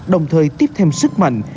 đồng thời tiếp thêm sức mạnh